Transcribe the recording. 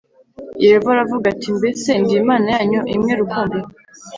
Yehova aravuga ati mbese ndi Imana yanyu imwe rukumbi?